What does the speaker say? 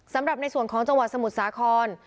สำหรับในส่วนของจังหวัดสมุทรสาคร